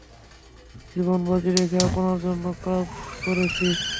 জীবন বাজি রেখে আপনার জন্য কাজ করেছি।